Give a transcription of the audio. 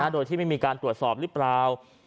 โดยที่ไม่มีการตรวจสอบหรือเปล่า